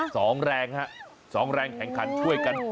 สองแรงฮะสองแรงแข่งขันช่วยกัน